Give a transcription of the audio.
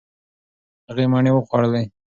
هغې مڼې وخوړلې.